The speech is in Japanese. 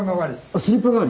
スリッパ代わり？